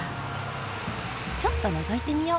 ちょっとのぞいてみよう。